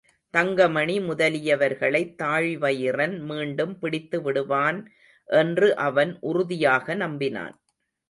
தங்கமணி முதலியவர்களைத் தாழிவயிறன் மீண்டும் பிடித்துவிடுவான் என்று அவன் உறுதியாக நம்பினான்.